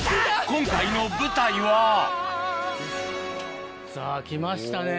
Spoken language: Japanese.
今回の舞台はさぁ来ましたね。